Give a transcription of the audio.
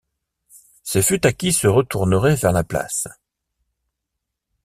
Ce fut à qui se retournerait vers la place.